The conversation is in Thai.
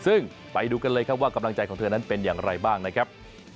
ซึ่งไปดูกันเลยครับว่ากำลังใจของเธอนั้นเป็นอย่างไรบ้างนะครับ